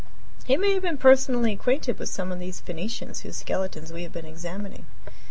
He may have been personally acquainted with some of these Phoenicians whose skeletons we have been examining.